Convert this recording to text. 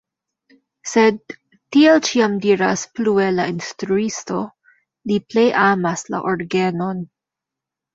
Sed, tiel ĉiam diras plue la instruisto, li plej amas la orgenon.